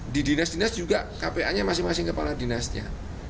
di dinas dinas juga kpa nya masing masing kepala dinasnya